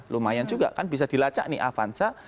lumayan juga kan bisa dilacak nih avanza